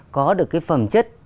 có được cái phẩm chất